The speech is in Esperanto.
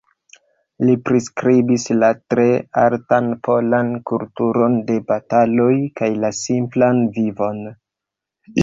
Li priskribis la tre altan polan kulturon de bataloj kaj la simplan vivon.